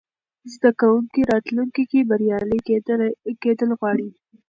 زده کوونکي راتلونکې کې بریالي کېدل غواړي.